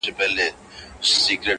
ماته له عمرونو د قسمت پیاله نسکوره سي.!